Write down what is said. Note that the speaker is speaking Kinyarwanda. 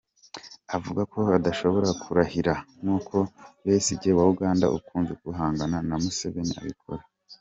Avuga ko adashobora kurahira nk’uko Besigye wa Uganda ukunze guhangana na Museveni abikora.